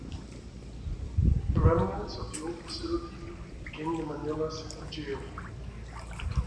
The remnants of the old facility became the Manila City Jail.